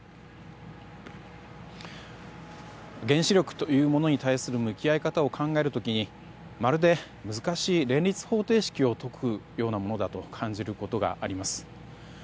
原子力というものに対する向き合い方を考える時にまるで、難しい連立方程式を解くようなものだと感じることがあります。